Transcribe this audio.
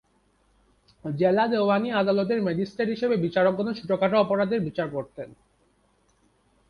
জেলা দেওয়ানি আদালতের ম্যাজিস্ট্রেট হিসেবে বিচারকগণ ছোটখাটো অপরাধের বিচার করতেন।